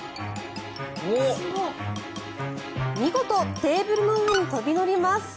見事、テーブルの上に飛び乗ります。